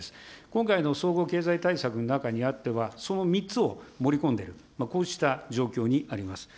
今回の総合経済対策の中にあっては、その３つを盛り込んでいる、こうした状況にあります。